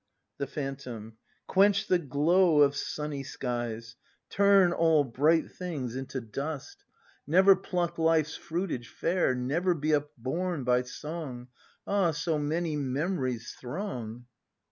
The Phantom. Quench the glow of sunny skies. Turn all bright things into dust, ACT V] BRAND 29T Never pluck life's fruitage fair. Never be upborne by song ? Ah, so many memories throng!